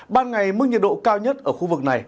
ban ngày mức nhiệt độ cao nhất ở khu vực này